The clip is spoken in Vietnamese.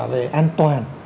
về an toàn